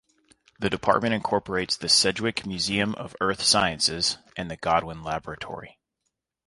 The department incorporates the Sedgwick Museum of Earth Sciences and the Godwin Laboratory.